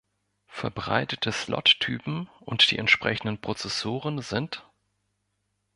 Verbreitete Slot-Typen und die entsprechenden Prozessoren sind